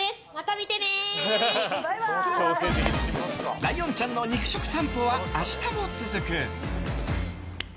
ライオンちゃんの肉食さんぽは明日も続く。